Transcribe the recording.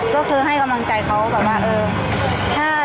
ก็คือให้กำลังใจเขาแบบว่าเออใช่